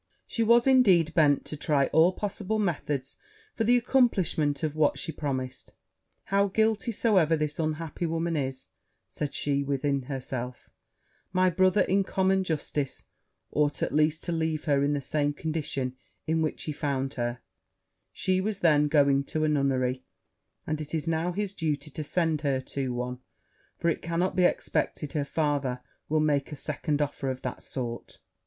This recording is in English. She was, indeed, bent to try all possible methods for the accomplishment of what she promised. 'How guilty soever this unhappy woman is,' said she within herself, 'my brother, in common justice, ought at least to leave in her in the same condition in which he found her: she was then going to a nunnery; and it is now his duty to send her to one; for it cannot be expected her father will make a second offer of that sort.'